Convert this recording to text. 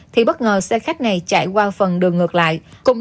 thì bất ngờ xe khách này chạy qua phần đường ngược lại